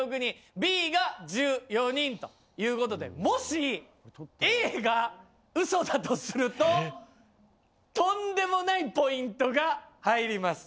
Ｂが１４人ということでもしＡが嘘だとするととんでもないポイントが入ります。